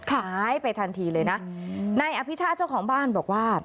หายไปทันทีเลยนะนายอภิชาติเจ้าของบ้านบอกว่า